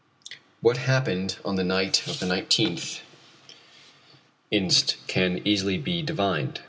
What happened on the night of the 19th inst. can easily be divined.